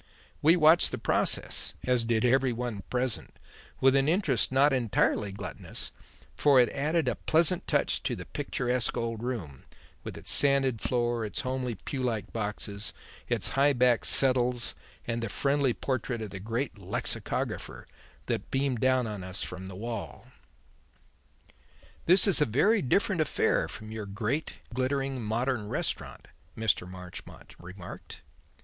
We watched the process as did every one present with an interest not entirely gluttonous, for it added a pleasant touch to the picturesque old room, with its sanded floor, its homely, pew like boxes, its high backed settles and the friendly portrait of the "great lexicographer" that beamed down on us from the wall. "This is a very different affair from your great, glittering modern restaurant," Mr. Marchmont remarked.